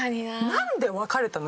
なんで別れたの？